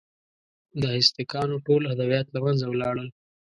د ازتکانو ټول ادبیات له منځه ولاړل.